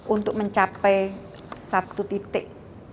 untuk mencapai satu titik